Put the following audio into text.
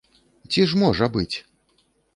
Ці ж можа быць?